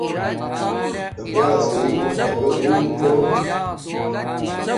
کبݺ اسِیر نݸ کبݺ دݸر څݸنڅ.